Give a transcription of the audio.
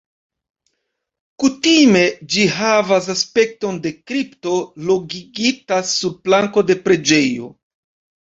Kutime ĝi havas aspekton de kripto lokigita sub planko de preĝejo.